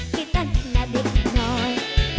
กี่ตั้งน่าเด็กน้อย